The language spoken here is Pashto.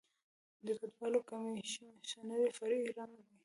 د کډوالو کمیشنري فرعي رکن دی.